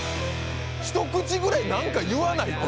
一口ぐらいなんか言わないと。